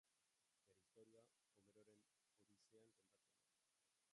Bere istorioa, Homeroren Odisean kontatzen da.